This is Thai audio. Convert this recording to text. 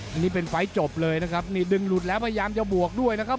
อันนี้เป็นไฟล์จบเลยนะครับนี่ดึงหลุดแล้วพยายามจะบวกด้วยนะครับ